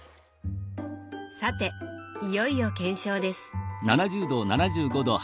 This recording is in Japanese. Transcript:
さていよいよ検証です。